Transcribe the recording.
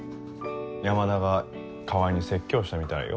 山田が川合に説教したみたいよ。